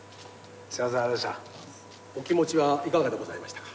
お気持ちはいかがでございましたか？